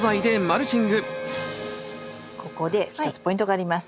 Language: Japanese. ここで一つポイントがあります。